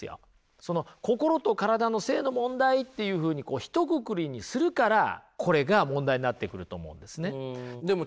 その心と体の性の問題というふうにこうひとくくりにするからこれが問題になってくると思うんですね。